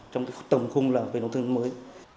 trong tầm khung là về nông thôn mới